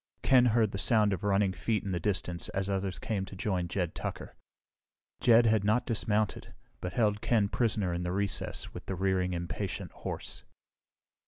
Ken heard the sound of running feet in the distance as others came to join Jed Tucker. Jed had not dismounted, but held Ken prisoner in the recess with the rearing, impatient horse.